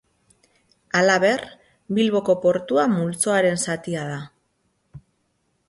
Halaber, Bilboko portua multzoaren zatia da.